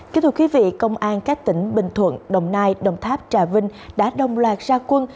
kính thưa quý vị công an các tỉnh bình thuận đồng nai đồng tháp trà vinh đã đồng loạt ra quân